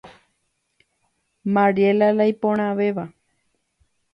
Mariela la iporãvéva.